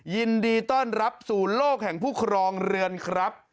ยินดีต้อนรับสู่โลกแห่งผู้ครองเรือนครับ